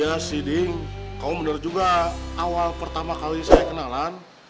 ya si ding kamu benar juga awal pertama kali saya kenalan